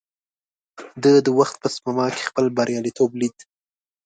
ده د وخت په سپما کې خپل برياليتوب ليد.